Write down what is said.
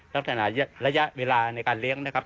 ลักษณะระยะเวลาในการเลี้ยงนะครับ